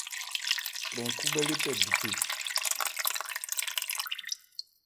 Krɛn khúbhɛ́ le pɛ duphé.